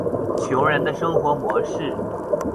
窮人的生活模式